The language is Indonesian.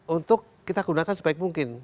untuk kita gunakan sebaik mungkin